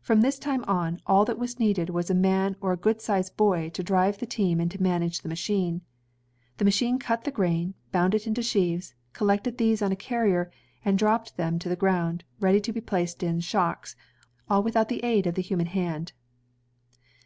From this time on, all that was needed was a man or a good sized boy to drive the team and to manage the machine. The machine cut the grain, bound it into sheaves, collected these on a carrier, and dropped them to the ground, ready to be placed in shocks, — all without the aid of the human band.